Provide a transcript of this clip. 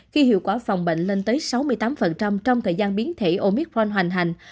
khi hiệu quả phòng bệnh lên tới sáu mươi tám trong thời gian biến thể omitron hoành hành